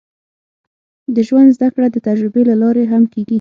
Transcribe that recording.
د ژوند زده کړه د تجربې له لارې هم کېږي.